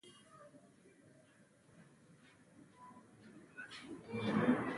جوخت نیولي و، یوه افسر وویل: تاسې د کومې لوا یاست؟